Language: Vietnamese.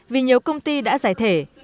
vì nhiều công ty đã giải thể